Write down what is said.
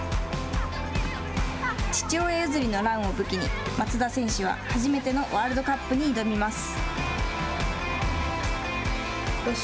父親譲りのランを武器に松田選手は初めてのワールドカップに挑みます。